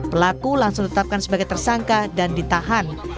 pelaku langsung ditetapkan sebagai tersangka dan ditahan